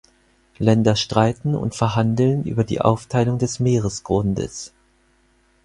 Länder streiten und verhandeln über die Aufteilung des Meeresgrundes.